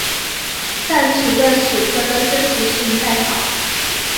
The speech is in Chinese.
但此段史料的真实性待考。